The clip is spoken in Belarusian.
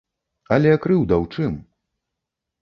Але крыўда ў чым?